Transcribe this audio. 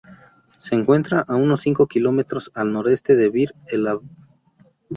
Se encuentra a unos cinco kilómetros al nordeste de Bir el Abd.